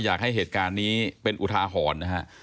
อยากให้เหตุการณ์นี้เป็นอุทาหรณ์นะฮะ